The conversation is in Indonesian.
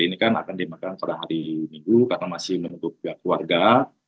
ini kan akan dimakan pada hari minggu karena masih menunggu pihak keluarga